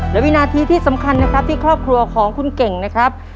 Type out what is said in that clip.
และวินาทีที่สำคัญนะครับที่ครอบครัวของคุณเก่งนะครับ